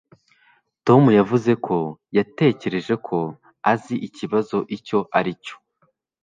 Tom yavuze ko yatekereje ko azi ikibazo icyo ari cyo